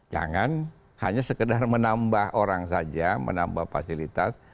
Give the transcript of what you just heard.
jangan hanya sekedar menambah orang saja menambah fasilitas